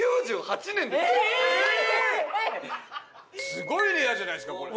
すごいレアじゃないですかこれ。